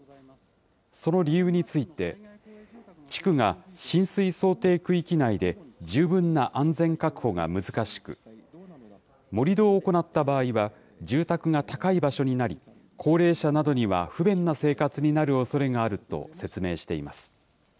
その理由について、地区が浸水想定区域内で十分な安全確保が難しく、盛り土を行った場合は住宅が高い場所になり、高齢者などには不便な生活になるおそれがあると説明しています。